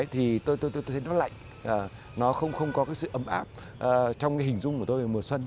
thì tôi thấy nó lạnh nó không có cái sự ấm áp trong cái hình dung của tôi về mùa xuân